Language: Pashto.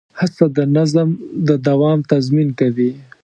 هڅه د نظم د دوام تضمین کوي.